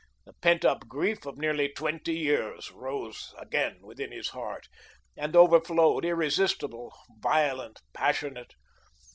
The pent up grief of nearly twenty years rose again within his heart, and overflowed, irresistible, violent, passionate.